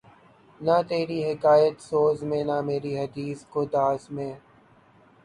نہ تری حکایت سوز میں نہ مری حدیث گداز میں